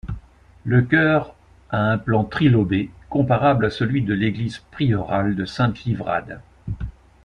Le chœur a un plan trilobé comparable à celui de l'église prieurale de Sainte-Livrade.